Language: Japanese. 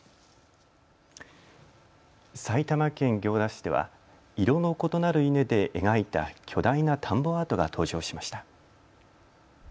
埼玉県行田市では色の異なる稲で描いた巨大な田んぼアートが登場しました。